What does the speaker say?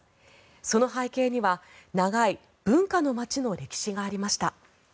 その背景には長い文化の街の歴史がありました。